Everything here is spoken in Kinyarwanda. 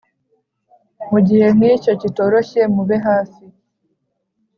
mu gihe nkicyo cyitoroshye mube hafi